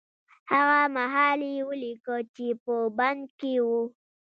هغه مهال يې وليکه چې په بند کې و.